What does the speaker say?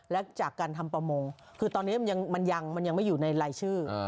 และจากการทำประมงคือตอนนี้มันยังไม่อยู่ในรายชื่อ